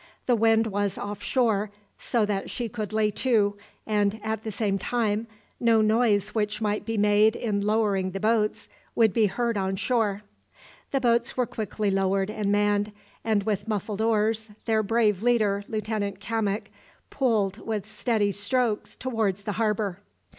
The wind was off shore, so that she could lay to, and, at the same time, no noise which might be made in lowering the boats would be heard on shore. The boats were quickly lowered and manned, and with muffled oars their brave leader, Lieutenant Cammock, pulled with steady strokes towards the harbour.